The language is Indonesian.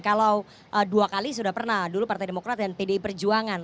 kalau dua kali sudah pernah dulu partai demokrat dan pdi perjuangan